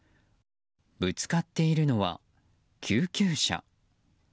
ぶつかっているのは救急車。